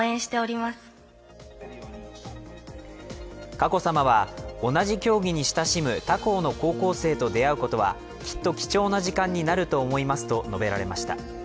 佳子さまは、同じ競技に親しむ他校の高校生と出会うことは、きっと貴重な時間になると思いますと述べられました。